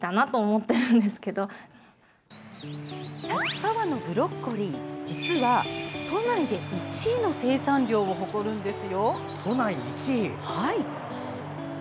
立川のブロッコリー、実は都内で１位の生産量を誇るんです。